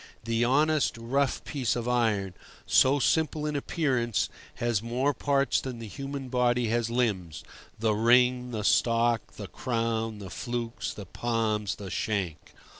The honest, rough piece of iron, so simple in appearance, has more parts than the human body has limbs: the ring, the stock, the crown, the flukes, the palms, the shank.